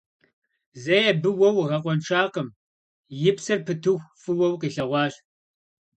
Зэи абы уэ уигъэкъуэншакъым, и псэр пытыху фӀыуэ укъилъэгъуащ.